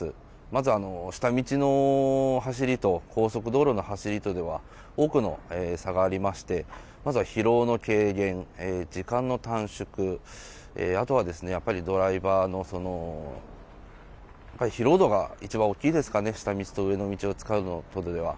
まず下道の走りと高速道路の走りとでは、多くの差がありまして、まずは疲労の軽減、時間の短縮、あとはやっぱり、ドライバーの疲労度が一番大きいですかね、下道と上の道を使うのとでは。